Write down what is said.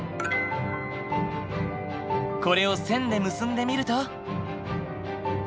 これを線で結んでみると。